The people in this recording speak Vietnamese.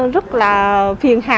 rất là phiền hà